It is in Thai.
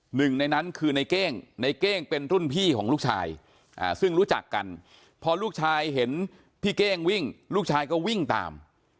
หนึ่งในนั้นคือในเก้งในเก้งเป็นรุ่นพี่ของลูกชายซึ่งรู้จักกันพอลูกชายเห็นพี่เก้งวิ่งลูกชายก็วิ่งตาม